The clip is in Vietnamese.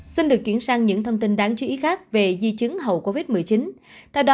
xin được chuyển sang những thông tin đáng chú ý khác về di chứng hậu covid một mươi chín